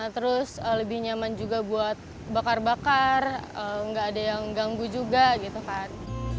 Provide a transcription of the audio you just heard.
terus lebih nyaman juga buat bakar bakar nggak ada yang ganggu juga gitu kan